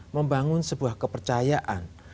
membangun sebuah kepercayaan